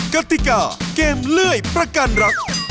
กติกาเกมเลื่อยประกันรัก